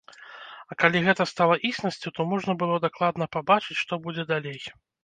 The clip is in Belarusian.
А калі гэта стала існасцю, то можна было дакладна пабачыць, што будзе далей.